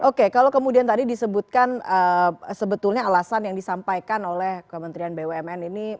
oke kalau kemudian tadi disebutkan sebetulnya alasan yang disampaikan oleh kementerian bumn ini